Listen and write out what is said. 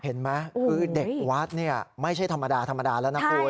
เห็นไหมคือเด็กวัดเนี่ยไม่ใช่ธรรมดาธรรมดาแล้วนะคุณ